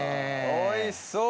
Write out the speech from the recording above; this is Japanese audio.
おいしそう！